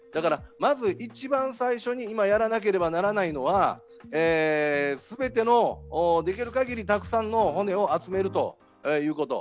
まず一番最初にやらなければならないのは全てのできるかぎりたくさんの骨を集めるということ。